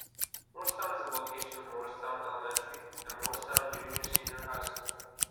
Morristown is the location of Morristown Elementary and Morristown Junior-Senior High School.